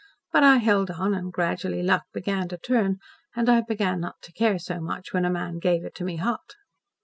But I held on, and gradually luck began to turn, and I began not to care so much when a man gave it to me hot."